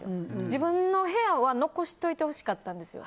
自分の部屋は残しておいてほしかったんですよ。